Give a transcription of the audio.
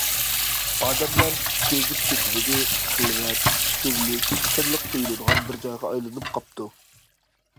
ئادەملەر تېزىپ كېتىۋىدى، خىلۋەت، سۈرلۈك، سىرلىق تۇيۇلىدىغان بىر جايغا ئايلىنىپ قاپتۇ.